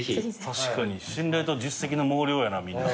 確かに信頼と実績の毛量やなみんな。